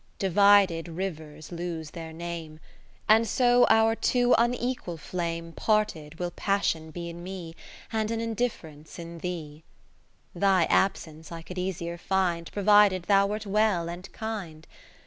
VIII Divided rivers lose their name ; And so our too unequal flame 30 Parted, will Passion be in me, And an indifference in thee. IX Thy absence I could easier find, Provided thou wert well and kind.